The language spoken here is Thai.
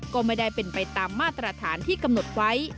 ก็ไม่ได้เป็นไปตามมาตรฐานที่กำหนดไว้